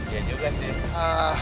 iya juga sih